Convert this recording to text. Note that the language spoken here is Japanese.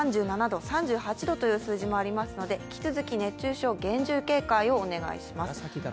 ３７度、３８度という数字もありますので、引き続き熱中症、厳重警戒をお願いします。